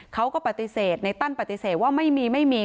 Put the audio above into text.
เขาก็ปฏิเสธในตั้นปฏิเสธว่าไม่มีไม่มี